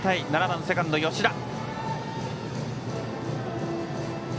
７番セカンドの吉田。